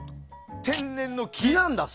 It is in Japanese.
天然の木。